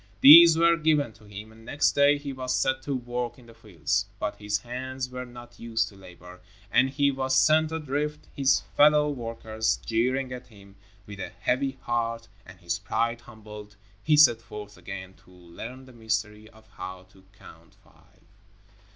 These were given to him, and next day he was set to work in the fields. But his hands were not used to labor, and he was sent adrift, his fellow workers jeering at him. With a heavy heart, and his pride humbled, he set forth again to learn the mystery of how to Count Five.